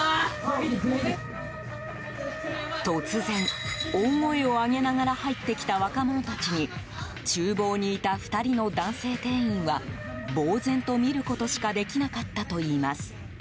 突然、大声を上げながら入って来た若者たちに厨房にいた２人の男性店員はぼうぜんと見ることしかできなかったといいます。